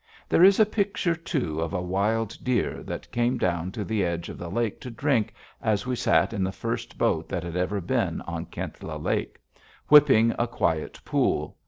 There is a picture, too, of a wild deer that came down to the edge of the lake to drink as we sat in the first boat that had ever been on Kintla Lake, whipping a quiet pool.